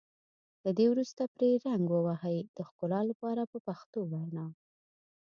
له دې وروسته پرې رنګ ووهئ د ښکلا لپاره په پښتو وینا.